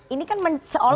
ini kan seolah mencerminkan